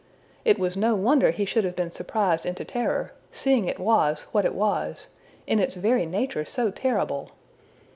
It was no wonder he should have been surprised into terror, seeing it was what it was in its very nature so terrible!